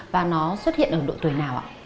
và nó xuất hiện ở độ tuổi nào ạ